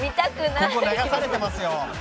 ここ流されてますよ。